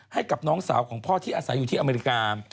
ให้กับน้องสาวของพ่อที่อาศัยอยู่ที่อเมริกา